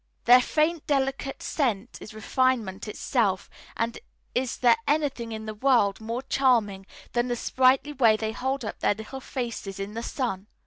Their faint, delicate scent is refinement itself; and is there anything in the world more charming than the sprightly way they hold up their little faces to the sun.